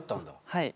はい。